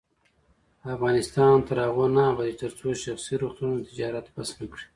افغانستان تر هغو نه ابادیږي، ترڅو شخصي روغتونونه تجارت بس نکړي.